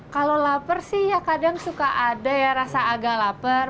kalau lapar sih ya kadang suka ada ya rasa agak lapar